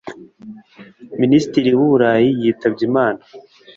minisitiri wu burayi yitabye imana